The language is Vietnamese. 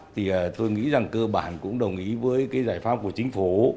thì tôi nghĩ rằng cơ bản cũng đồng ý với cái giải pháp của chính phủ